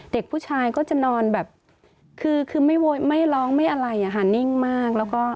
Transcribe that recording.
เด็กผู้ชายก็จะนอนแบบคือไม่ร้องไม่อะไรนิ่งมาก